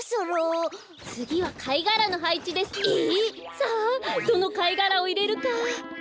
さあどのかいがらをいれるか？